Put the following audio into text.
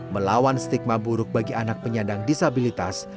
melawan stigma buruk bagi anak penyandang disabilitas